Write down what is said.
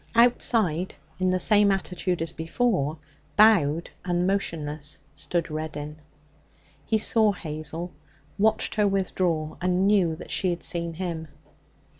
Outside, in the same attitude as before, bowed, and motionless, stood Reddin. He saw Hazel, watched her withdraw, and knew that she had seen him.